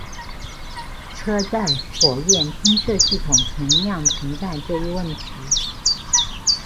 车载火焰喷射系统同样存在这一问题。